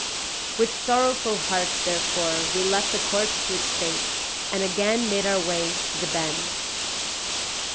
With sorrowful hearts, therefore, we left the corpse to its fate, and again made our way to the bend.